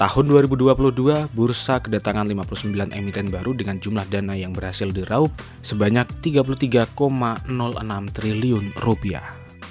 tahun dua ribu dua puluh dua bursa kedatangan lima puluh sembilan emiten baru dengan jumlah dana yang berhasil diraup sebanyak tiga puluh tiga enam triliun rupiah